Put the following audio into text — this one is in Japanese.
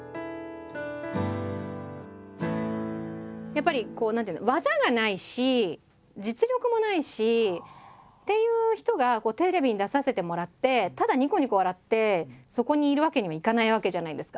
やっぱりこう何ていうの技がないし実力もないしっていう人がテレビに出させてもらってただにこにこ笑ってそこにいるわけにはいかないわけじゃないですか。